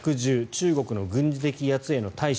中国の軍事的威圧への対処